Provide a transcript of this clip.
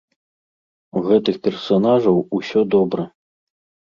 У гэтых персанажаў усё добра.